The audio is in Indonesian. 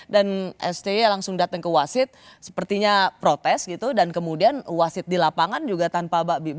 dan sti langsung datang ke wasit sepertinya protes gitu dan kemudian wasit di lapangan juga tanpa berhenti